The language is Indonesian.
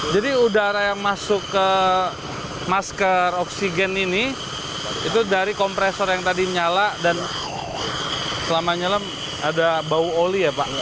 jadi udara yang masuk ke masker oksigen ini itu dari kompresor yang tadi nyala dan selama nyala ada bau oli ya pak